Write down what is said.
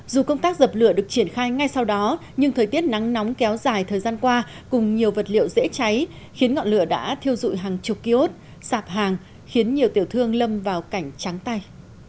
dù công tác dập lửa được triển khai ngay sau đó nhưng thời tiết nắng nóng kéo dài thời gian qua cùng nhiều vật liệu dễ cháy khiến ngọn lửa đã thiêu dụi hàng chục ký ốt sạp hàng khiến nhiều tiểu thương lâm vào cảnh trắng tay